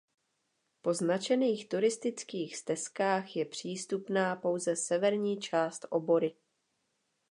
Po značených turistických stezkách je přístupná pouze severní část obory.